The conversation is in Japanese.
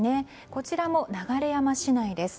こちらも流山市内です。